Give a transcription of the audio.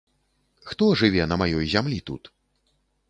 Хто жыве на маёй зямлі тут?